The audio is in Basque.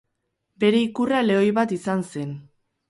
Bere ikurra lehoi bat izan zen.